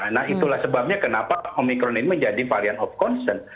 nah itulah sebabnya kenapa omikron ini menjadi varian of concern